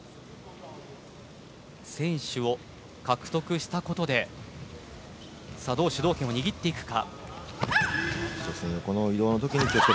先取を獲得したことでどう主導権を握っていくか。